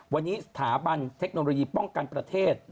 วันนี้สถาบันเทคโนโลยีป้องกันประเทศ